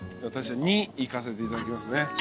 私は２いかせていただきますね。